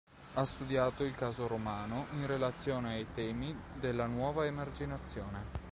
Ha studiato il caso romano in relazione ai temi della nuova emarginazione.